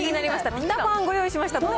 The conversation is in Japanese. ピタファンご用意しました。